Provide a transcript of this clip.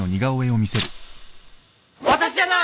私じゃない！